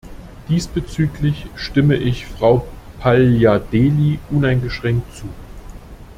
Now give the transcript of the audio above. Diesbezüglich stimme ich Frau Paliadeli uneingeschränkt zu.